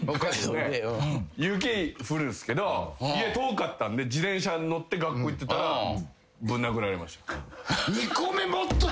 雪降るんすけど家遠かったんで自転車に乗って学校行ってたらぶん殴られました。